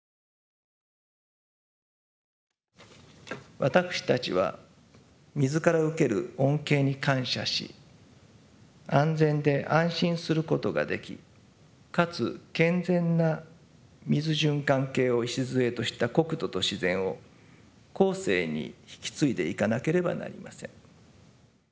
私たちは水から受ける恩恵に感謝し安全で安心することができ、かつ健全な水循環系を礎とした国土と自然を後世に引き継いでいかなければなりません。